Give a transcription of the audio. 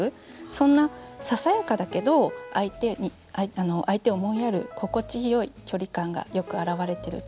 そんなささやかだけど相手を思いやる心地よい距離感がよく表れてる歌かなと思いました。